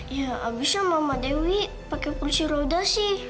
ya abisnya mama dewi pakai kursi roda sih